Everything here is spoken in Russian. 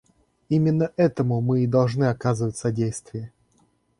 Именно этому мы и должны оказывать содействие.